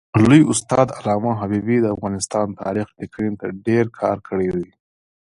لوی استاد علامه حبیبي د افغانستان تاریخ لیکني ته ډېر کار کړی دی.